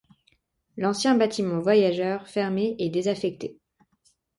L'ancien bâtiment voyageurs, fermé et désaffecté.